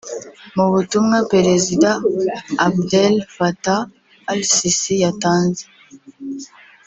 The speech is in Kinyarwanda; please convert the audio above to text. Mu butumwa Perezida Abdel Fattah Al Sisi yatanze